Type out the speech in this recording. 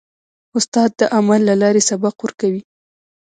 استاد د عمل له لارې سبق ورکوي.